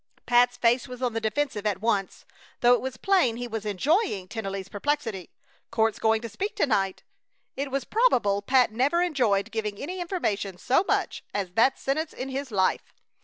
Pat's face was on the defensive at once, though it was plain he was enjoying Tennelly's perplexity. "Court's going to speak to night!" It is probable Pat never enjoyed giving any information so much as that sentence in his life.